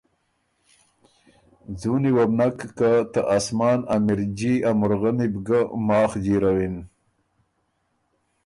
څُوني وه بُو نک که ته آسمان ا مِرجي ا مُرغنی بو ګۀ ماخ جیرَوِن